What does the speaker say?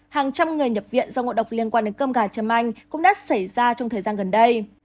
hàng trăm người nhập viện do ngộ độc liên quan đến cơm gà châm anh cũng đã xảy ra trong thời gian gần đây